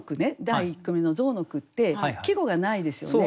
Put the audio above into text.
第１句目の象の句って季語がないですよね。